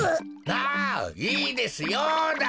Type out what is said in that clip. ああいいですよだっ！